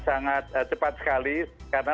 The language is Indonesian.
sangat cepat sekali karena